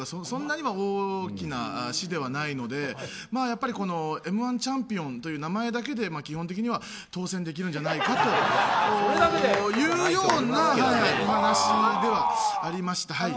そんなに大きな市ではないのでやっぱり「Ｍ‐１」チャンピオンという名前だけで基本的には当選できるんじゃないかというようなお話ではありました。